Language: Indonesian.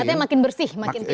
katanya makin bersih makin tinggi